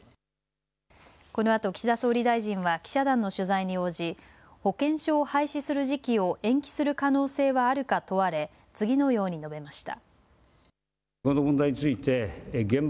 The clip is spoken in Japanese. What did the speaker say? このあと岸田総理大臣は記者団の取材に応じ保険証を廃止する時期を延期する可能性はあるか問われ次のように述べました。